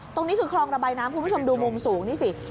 ตรงนี้คือคลองระบายน้ำคุณผู้ชมดูมุมสูงนี่สิ